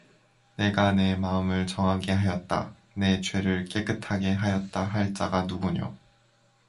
내가 내 마음을 정하게 하였다, 내 죄를 깨끗하게 하였다 할 자가 누구뇨